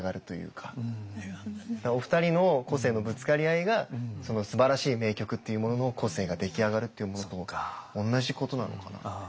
お二人の個性のぶつかり合いがすばらしい名曲っていうものの個性が出来上がるっていうものとおんなじことなのかなって。